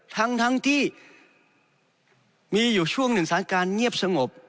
ทั้งที่มีอยู่ช่วงหนึ่งสถานการณ์เงียบสงบ